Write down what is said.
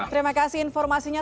terima kasih informasinya